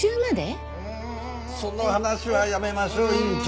その話はやめましょう院長。